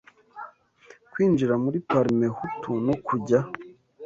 kwinjira muri Parmehutu no kujya